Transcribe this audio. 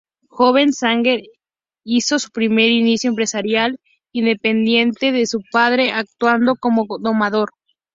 Joven, Sanger hizo su primer inicio empresarial, independiente de su padre, actuando como domador.